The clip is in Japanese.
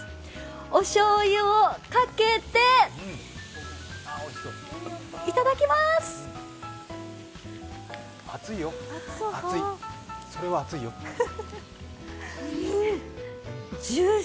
おしょうゆをかけて、いただきまーす。